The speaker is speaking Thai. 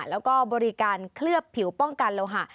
แล้วก็บริการเคลือบผิวป้องกันโลหะ